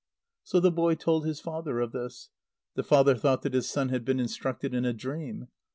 So the boy told his father of this. The father thought that his son had been instructed in a dream.